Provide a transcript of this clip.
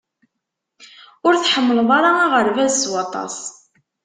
Ur tḥemmleḍ ara aɣerbaz s waṭas.